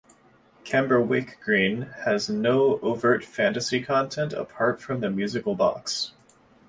"Camberwick Green" has no overt fantasy content apart from the musical box.